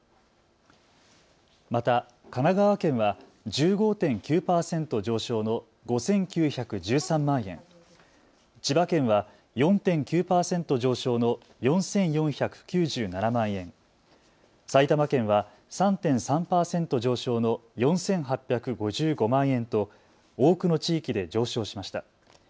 また神奈川県は１５．９％上昇の５９１３万円、千葉県は４．９％上昇の４４９７万円、埼玉県は３．３％上昇の４８５５万円と多くの地域で上昇しました。